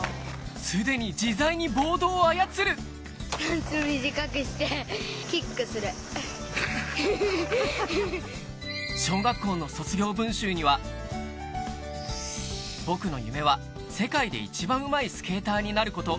既に自在にボードを操る！には「僕の夢は世界で一番うまいスケーターになること」